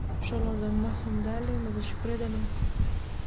Şolardan mahrum däldigimize şükür edeliň.